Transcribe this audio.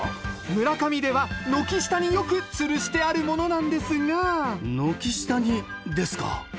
村上では軒下によくつるしてあるものなんですが軒下にですか？